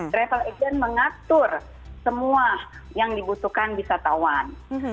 travel agent mengatur semua yang dibutuhkan wisatawan